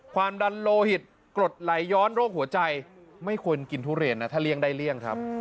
ความดันโลหิตกรดไหลย้อนโรคหัวใจไม่ควรกินทุเรียนนะถ้าเลี่ยงได้เลี่ยงครับ